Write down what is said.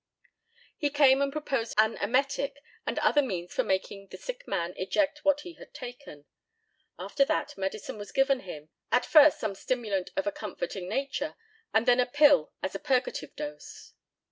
He came and proposed an emetic and other means for making the sick man eject what he had taken. After that, medicine was given him at first some stimulant of a comforting nature, and then a pill as a purgative dose.